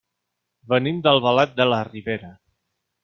Venim d'Albalat de la Ribera.